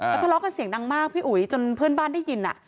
แล้วทะเลาะกันเสียงดังมากพี่อุ๋ยจนเพื่อนบ้านได้ยิน